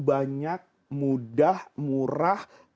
banyak mudah murah